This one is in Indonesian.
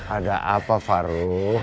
ada apa faruh